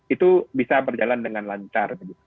itu bisa berjalan dengan lancar